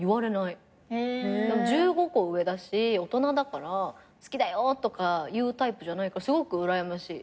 １５個上だし大人だから「好きだよ」とか言うタイプじゃないからすごくうらやましい。